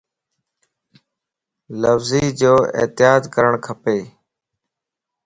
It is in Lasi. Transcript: لفظي جو احتياط ڪرڻ کپ